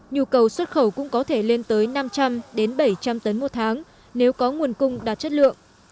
nhu cầu xuất khẩu cũng có thể lên tới năm trăm linh bảy trăm linh tấn một tháng nếu có nguồn cung đạt chất lượng